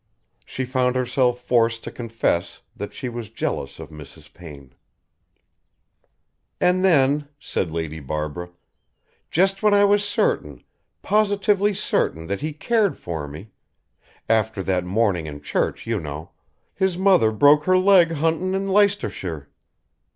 She found herself forced to confess that she was jealous of Mrs. Payne.... "And then," said Lady Barbara, "just when I was certain, positively certain that he cared for me after that morning in church, you know his mother broke her leg huntin' in Leicestershire.